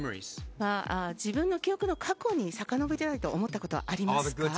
自分の記憶の過去にさかのぼりたいと思ったことありますか。